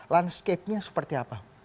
landscape nya seperti apa